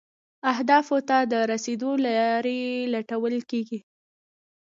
اهدافو ته د رسیدو لارې لټول کیږي.